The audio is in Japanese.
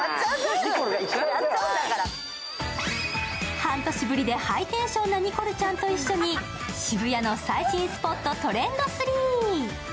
半年ぶりでハイテンションなニコルちゃんと一緒に渋谷の最新スポット「トレンド３」。